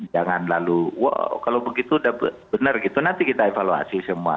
jangan lalu kalau begitu udah benar gitu nanti kita evaluasi semua